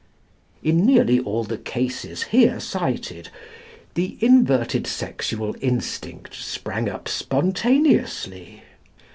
In nearly all the cases here cited, the inverted sexual instinct sprang up spontaneously.